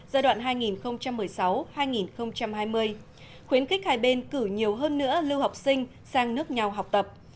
giai đoạn hai nghìn một mươi sáu hai nghìn hai mươi khuyến khích hai bên cử nhiều hơn nữa lưu học sinh sang nước nhau học tập